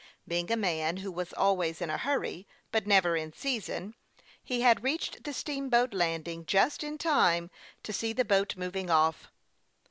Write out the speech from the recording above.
Being a man who was always in a hurry, but never in season, he had reached the steamboat landing just in time to see the boat mov ing off.